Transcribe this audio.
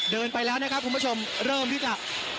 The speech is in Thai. เดินไปแล้วนะครับคุณผู้ชมเริ่มที่จะ